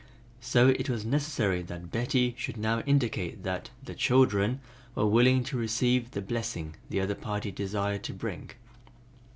So it was necessary that Betty should now indicate that "the children" were willing to receive the blessing the other party desired to bring.